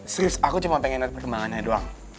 sri aku cuma pengen lihat perkembangannya doang